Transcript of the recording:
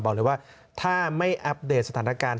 บอกเลยว่าถ้าไม่อัปเดตสถานการณ์